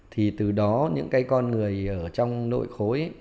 thì từ đó những cái con người ở trong nội khối